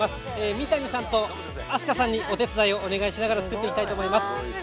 三谷さんと、明日香さんにお手伝いをお願いしながら作っていきたいと思います。